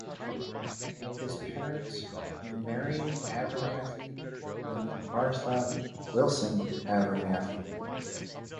His parents were Marion Abernathy and Martha (Wilson) Abernathy.